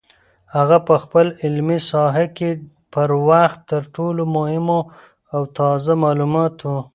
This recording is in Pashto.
هغه په خپله علمي ساحه کې پر وخت تر ټولو مهمو او تازه معلوماتو